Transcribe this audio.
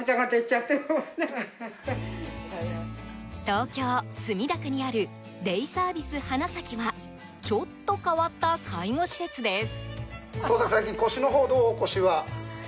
東京・墨田区にあるデイサービス花咲はちょっと変わった介護施設です。